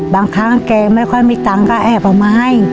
บางครั้งแกไม่ค่อยมีตังค์ก็แอบเอามาให้